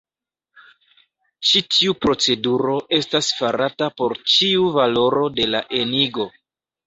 Ĉi tiu proceduro estas farata por ĉiu valoro de la enigo.